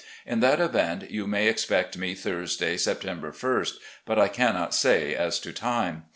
In that event, you may expect me Thursday, September ist, but I cannot say as to time.